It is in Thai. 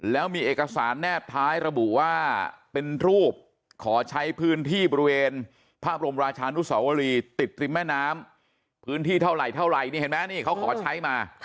แล้วมีเอกสารแนบท้ายระบุว่าเป็นรูปขอใช่พื้นที่บริเวณพระบรมราชานุสวรีเอกสารสนติดตรวนศึกษาแม่น้ำปืนที่เท่าไหร่เขาของให้มา